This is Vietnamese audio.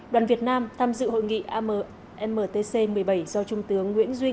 đoàn việt nam tham dự hội nghị ammtc một mươi bảy do trung tướng nguyễn duy